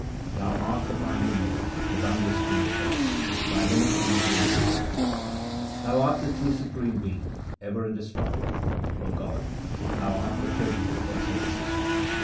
Thou art the primal Male, the boundless Creator ; Thy limit cannot be ascertained. Thou art the true Supreme Being, ever indestructible ; O God, Thou art the treasury of excellences.